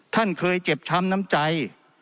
ท่านเคยเจ็บช้ำน้ำใจ